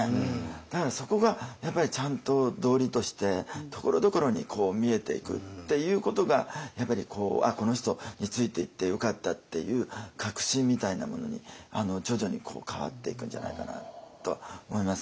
だからそこがやっぱりちゃんと道理としてところどころに見えていくっていうことがやっぱり「あっこの人についていってよかった」っていう確信みたいなものに徐々に変わっていくんじゃないかなとは思いますよね。